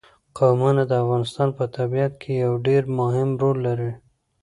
قومونه د افغانستان په طبیعت کې یو ډېر مهم رول لري.